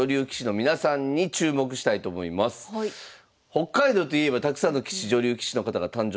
北海道といえばたくさんの棋士女流棋士の方が誕生してますよね。